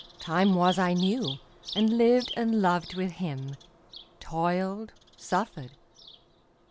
Time was I knew, and lived and loved with him; Toiled, suffered.